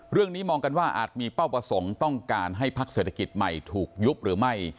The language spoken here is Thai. เรื่องนี้มองกันว่าอาจมีเป้าประสงค์ต้องการให้พักเศรษฐกิจใหม่ถูกยุบหรือไม่